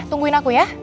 tungguin aku ya